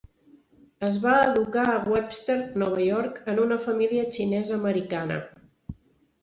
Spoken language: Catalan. Es va educar a Webster, Nova York, en una família xinesa-americana.